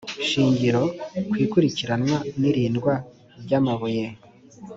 shingiro ku ikurikirana n irindwa ry amabuye